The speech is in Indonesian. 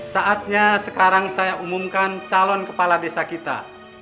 saatnya sekarang saya umumkan calon kepala desa kita